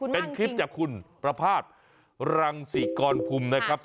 เป็นคลิปจากคุณประพาทรังศิกรพุมนะครับ